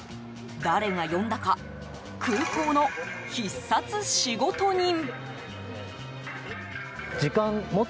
誰が呼んだか空港の必殺仕事人。